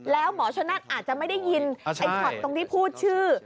แล้วหมอชนนั่นอาจจะไม่ได้ยินไอ้ช็อตตรงที่พูดชื่อ